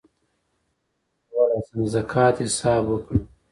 څنګه کولی شم د زکات حساب وکړم